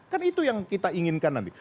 kan itu yang kita inginkan nanti